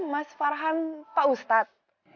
mas farhan pak ustadz